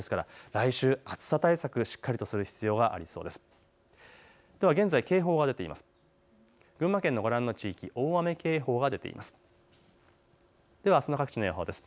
来週は暑さ対策、しっかりとする必要がありそうです。